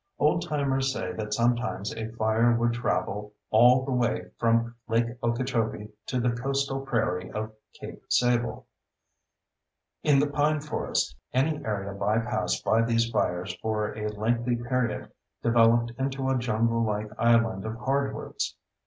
Old timers say that sometimes a fire would travel all the way from Lake Okeechobee to the coastal prairie of Cape Sable (see page 2). In the pine forest, any area bypassed by these fires for a lengthy period developed into a junglelike island of hardwoods.